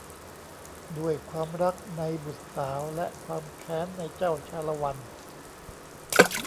ด้วยความรักในบุตรสาวและความแค้นในเจ้าชาละวัน